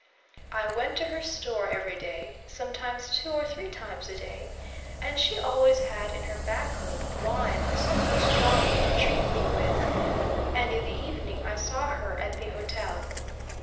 I went to her store every day, sometimes two or three times a day, and she always had in her backroom, wine or something stronger to treat me with, and in the evening I saw her at the hotel.